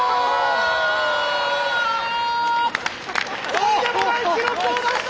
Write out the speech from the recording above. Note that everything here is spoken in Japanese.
とんでもない記録を出した！